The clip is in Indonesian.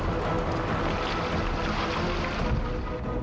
tuhan aku ingin menang